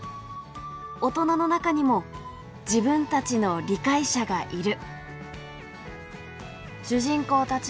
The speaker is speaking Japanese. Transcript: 大人の中にも自分たちの理解者がいる」。